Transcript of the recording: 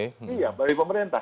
iya dari pemerintah